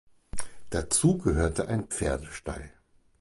Dazu gehörte ein Pferdestall.